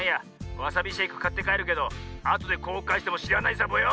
わさびシェイクかってかえるけどあとでこうかいしてもしらないサボよ。